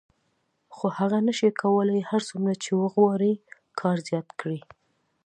خو هغه نشي کولای هر څومره چې وغواړي کار زیات کړي